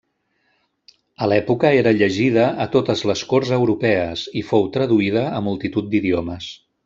A l'època era llegida a totes les corts europees i fou traduïda a multitud d'idiomes.